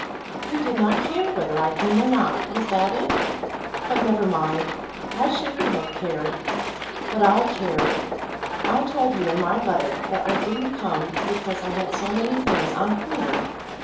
"You did not care whether I came or not: was that it? But never mind. Why should you have cared? But I cared. I told you in my letter that I didn't come because I had so many things on hand.